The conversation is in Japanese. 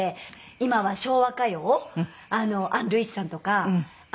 今は昭和歌謡アン・ルイスさんとかあとまあ